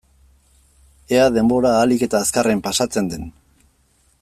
Ea denbora ahalik eta azkarren pasatzen den.